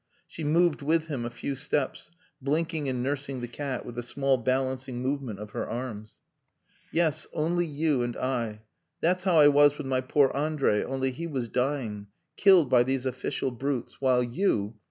She moved with him a few steps, blinking and nursing the cat with a small balancing movement of her arms. "Yes only you and I. That's how I was with my poor Andrei, only he was dying, killed by these official brutes while you!